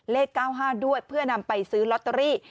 เลข๙๕ด้วยเพื่อนำไปซื้อลอตเตอรี่